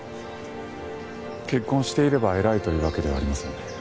結婚していれば偉いというわけではありません。